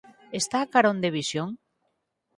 Está a carón de Visión?